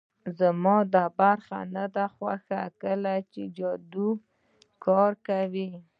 زما دا برخه نه ده خوښه چې کله جادو کار کوي